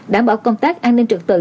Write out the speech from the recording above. đảm bảo công tác an ninh trực tự